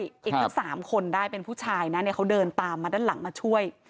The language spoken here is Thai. อีกทั้ง๓คนได้เป็นผู้ชายนะเนี่ยเขาเดินตามมาด้านหลังมาช่วย